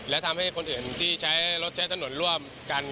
และทำให้คนอื่นที่ใช้รถใช้ถนนร่วมกัน